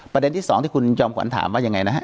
ประเด็นที่๒ที่คุณจอมขวัญถามว่ายังไงนะฮะ